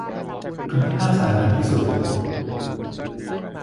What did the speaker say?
คำพิพากษาถึงที่สุด